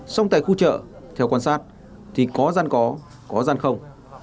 xong tại khu chợ theo quan sát thì có gian có có gian không